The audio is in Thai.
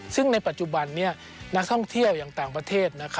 ซึ่งในปัจจุบันนี้นักท่องเที่ยวอย่างต่างประเทศ